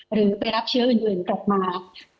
หรือไปรับเชื้ออื่นกลับมา